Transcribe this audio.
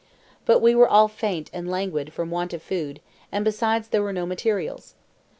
But we were all faint and languid from want of food, and besides, there were no materials.